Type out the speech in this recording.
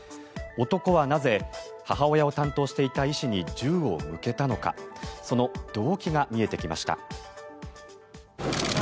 男はなぜ、母親を担当していた医師に銃を向けたのかその動機が見えてきました。